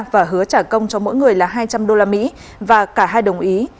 và hứa trả công cho mỗi người là hai trăm linh usd và cả hai đồng ý